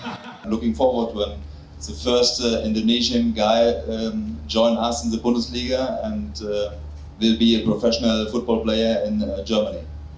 sebagai seorang orang indonesia yang menemani kita di bundesliga dan akan menjadi seorang pemain futsal profesional di jerman